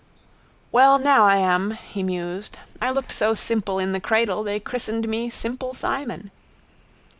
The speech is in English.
—Well now I am, he mused. I looked so simple in the cradle they christened me simple Simon.